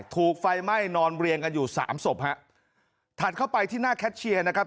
ถูกไฟไหม้นอนเรียงกันอยู่สามศพฮะถัดเข้าไปที่หน้าแคทเชียร์นะครับ